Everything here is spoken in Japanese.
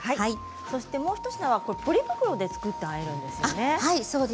もう一品はポリ袋で作ってあえるんですよね。